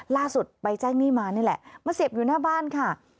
ล่าสุดไปแจ้งหนี้มานี่แหละมาเสียบอยู่หน้าบ้านค่ะ